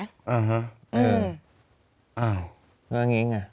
อ้าวแล้วอย่างนี้ไง